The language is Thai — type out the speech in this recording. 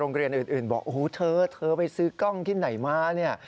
เรียนอื่นบอกโอ้โหเธอเธอไปซื้อกล้องที่ไหนมาเนี่ย